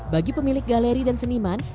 bagi pemilik galeri dan seniman